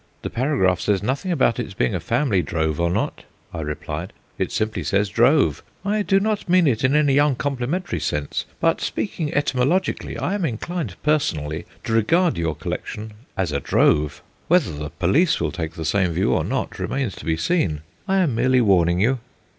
"The paragraph says nothing about its being a family drove or not," I replied; "it simply says 'drove.' I do not mean it in any uncomplimentary sense, but, speaking etymologically, I am inclined personally to regard your collection as a 'drove.' Whether the police will take the same view or not remains to be seen. I am merely warning you."